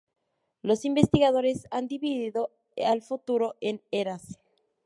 Los investigadores han dividido al futuro en Eras.